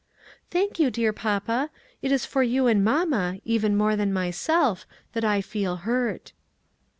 "Thank you, dear papa; it is for you and mamma, even more than myself, that I feel hurt."